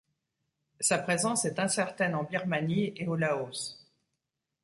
Sa présence est incertaine en Birmanie et au Laos.